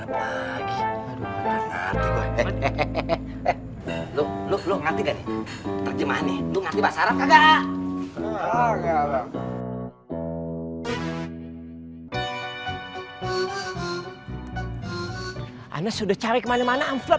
bilangin sama temen kamu